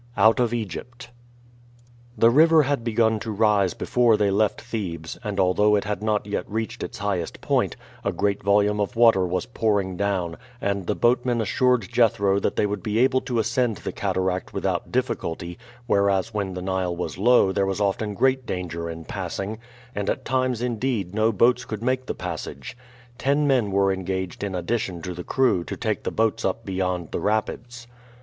OUT OF EGYPT. The river had begun to rise before they left Thebes, and although it had not yet reached its highest point, a great volume of water was pouring down; and the boatmen assured Jethro that they would be able to ascend the cataract without difficulty, whereas when the Nile was low there was often great danger in passing, and at times indeed no boats could make the passage. Ten men were engaged in addition to the crew to take the boats up beyond the rapids.